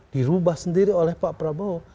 dirubah sendiri oleh pak prabowo